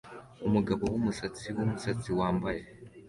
Umugabo wumusatsi wumusatsi wambaye